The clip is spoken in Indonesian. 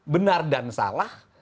benar dan salah